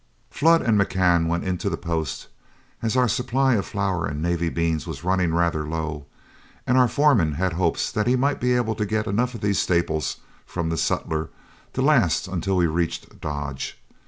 Flood and McCann went into the post, as our supply of flour and navy beans was running rather low, and our foreman had hopes that he might be able to get enough of these staples from the sutler to last until we reached Dodge.